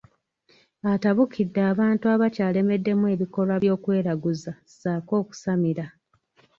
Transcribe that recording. Atabukidde abantu abakyaleddemu ebikolwa eby’okweraguza ssaako okusamira.